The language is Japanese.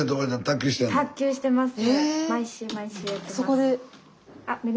卓球してます。